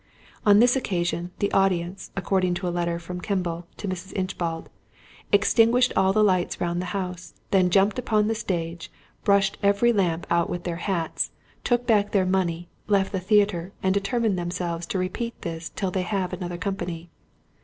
On this occasion, the audience, according to a letter from Kemble to Mrs. Inchbald, "extinguished all the lights round the house; then jumped upon the stage; brushed every lamp out with their hats; took back their money; left the theatre, and determined themselves to repeat this till they have another company."